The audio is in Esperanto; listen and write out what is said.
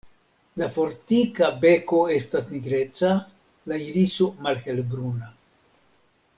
La fortika beko estas nigreca, la iriso malhelbruna.